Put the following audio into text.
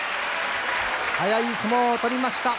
速い相撲を取りました。